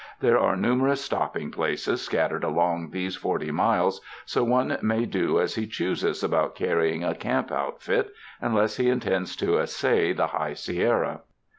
There are numerous stopping places scat tered along these forty miles, so one may do as he chooses about carrying a camp outfit, unless he in tends to essay the High Sierra.